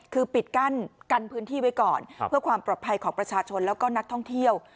คือปิดกั้นกันพื้นที่ไว้ก่อนเพื่อความปลอดภัยของประชาชนแล้วก็นักท่องเที่ยว